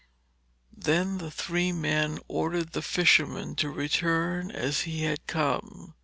Then the three men ordered the fisherman to return as he had come.